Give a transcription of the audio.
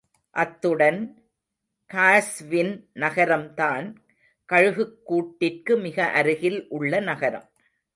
அத்துடன், காஸ்வின் நகரம்தான் கழுகுக் கூட்டிற்கு மிக அருகில் உள்ள நகரம்.